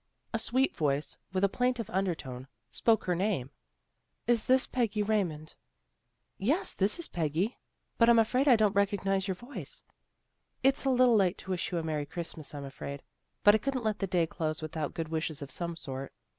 A sweet voice, with a plaintive undertone, spoke her name " Is this Peggy Raymond? "" Yes, this is Peggy. But I'm afraid I don't recognize your voice." " It's a little late to wish you a Merry Christ mas, I'm afraid. But I couldn't let the day close without good wishes of some sort.